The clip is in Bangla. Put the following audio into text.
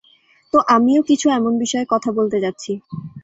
তো আমিও কিছু এমন বিষয়ে কথা বলতে যাচ্ছি।